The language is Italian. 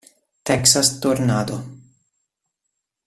Texas Tornado